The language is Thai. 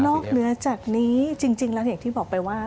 เหนือจากนี้จริงแล้วอย่างที่บอกไปว่า